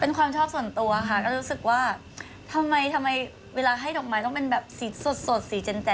เป็นความชอบส่วนตัวค่ะก็รู้สึกว่าทำไมทำไมเวลาให้ดอกไม้ต้องเป็นแบบสีสดสีเจน